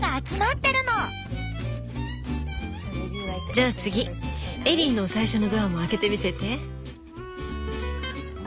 じゃあ次エリーの最初のドアも開けてみせて。